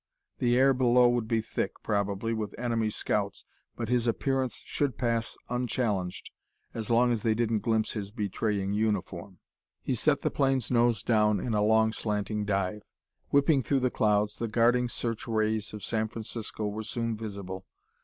The air below would be thick, probably, with enemy scouts, but his appearance should pass unchallenged as long as they didn't glimpse his betraying uniform. He set the plane's nose down in a long slanting dive. Whipping through the clouds, the guarding search rays of San Francisco were soon visible.